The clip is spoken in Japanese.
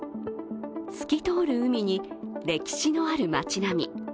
透き通る海に歴史のある街並み。